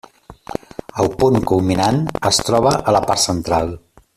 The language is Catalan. El punt culminant es troba a la part central.